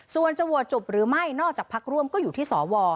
ส่วนจะโหวตจบหรือไม่นอกจากพักร่วมก็อยู่ที่สว